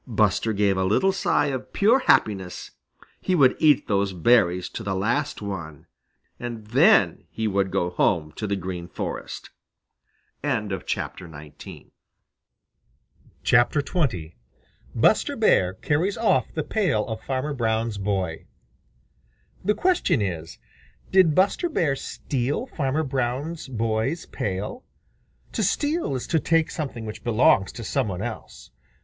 Buster gave a little sigh of pure happiness. He would eat those berries to the last one, and then he would go home to the Green Forest. XX BUSTER BEAR CARRIES OFF THE PAIL OF FARMER BROWN'S BOY The question is, did Buster Bear steal Farmer Brown's boy's pail? To steal is to take something which belongs to some one else.